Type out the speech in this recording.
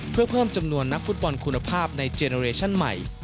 เพื่อเพิ่มจำนวนนักฟุตบอลคุณภาพในเจโนเรชั่นใหม่